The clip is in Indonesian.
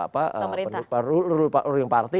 pemerintah ruling party